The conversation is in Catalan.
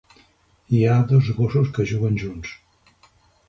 Hi ha dos gossos que juguen junts.